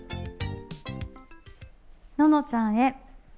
ののちゃんへ。